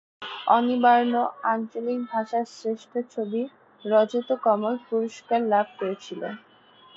অনির্বাণ আঞ্চলিক ভাষার শ্রেষ্ঠ ছবির 'রজত কমল' পুরস্কার লাভ করেছিল।।